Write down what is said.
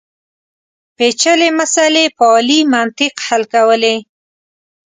پېچلې مسلې په عالي منطق حل کولې.